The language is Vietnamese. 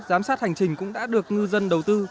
giám sát hành trình cũng đã được ngư dân đầu tư